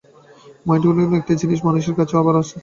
মাইটোকনিড়িয়া বলে একটি জিনিস মানুষেরও আছে, আবার গাছেরও আছে।